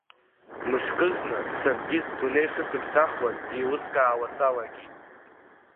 Мышкызны саргьы сдунеи шысыԥсахуаз еилыскаауа салагеит.